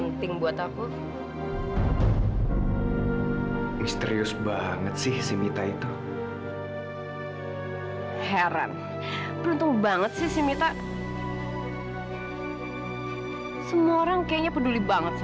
lu tuh mau ngapain ya